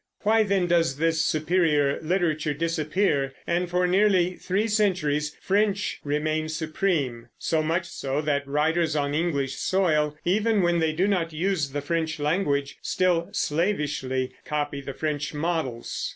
Why, then, does this superior literature disappear and for nearly three centuries French remain supreme, so much so that writers on English soil, even when they do not use the French language, still slavishly copy the French models?